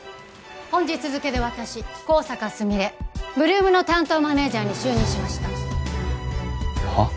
本日付で私香坂すみれ８ＬＯＯＭの担当マネージャーに就任しましたはっ？